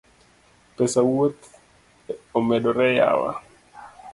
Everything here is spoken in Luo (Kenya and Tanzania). Pesa wuoth omedore yawa